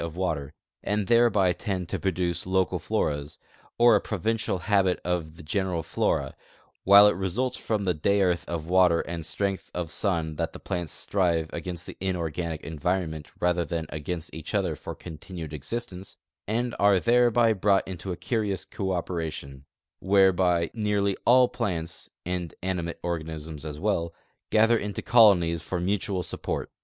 of water, and thereb}^ tend to produce local floras, or a provincial habit of the general flora ; while it results from the dearth of water anti strength of sun that the plants strive against the inorganic environment rather than against each other for continued existence, and are thereby brought into a curious cooi)eration, whereby nearly all plants (and animate organisms as well) gather into colonies for mutual support.